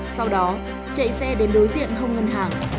sau đó chạy xe đến đối diện không ngân hàng